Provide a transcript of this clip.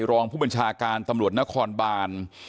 รองผู้บัญชาการตำรวจนครบาน